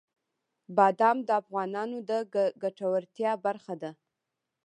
بادام د افغانانو د ګټورتیا برخه ده.